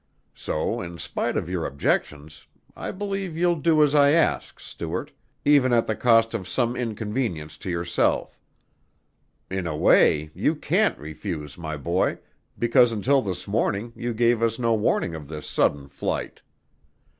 So in spite of your objections I believe you'll do as I ask, Stuart, even at the cost of some inconvenience to yourself. In a way you can't refuse, my boy, because until this morning you gave us no warning of this sudden flight."